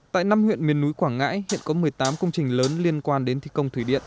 tại năm huyện miền núi quảng ngãi hiện có một mươi tám công trình lớn liên quan đến thi công thủy điện